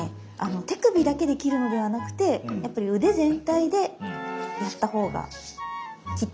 手首だけで切るのではなくてやっぱり腕全体でやったほうが切ったほうがいいと思います。